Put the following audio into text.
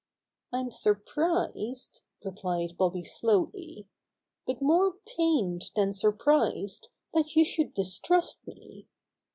"Fm surprised," replied Bobby slowly, "but more pained than surprised, that you should distrust me.